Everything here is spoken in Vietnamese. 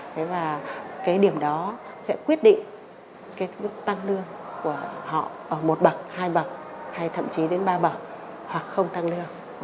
thế và cái điểm đó sẽ quyết định cái tăng lương của họ ở một bậc hai bậc hay thậm chí đến ba bậc hoặc không tăng lương